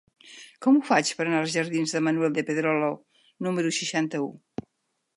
Com ho faig per anar als jardins de Manuel de Pedrolo número seixanta-u?